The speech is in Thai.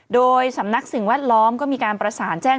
โดยสำนักสิ่งแวดล้อมก็มีการประสานแจ้ง